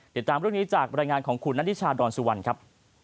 ติดตามเรื่องนี้จากบรรยายงานของคุณนัทนิชาดอนสุวรรณครับ